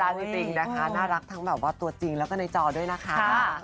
จริงนะคะน่ารักทั้งแบบว่าตัวจริงแล้วก็ในจอด้วยนะคะ